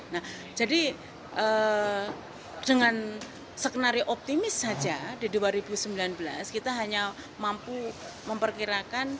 nah jadi dengan sekenari optimis saja di dua ribu sembilan belas kita hanya mampu memperkirakan